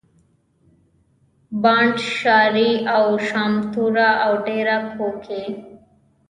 بانډ شاري او شامتوره او ډېره کو کښي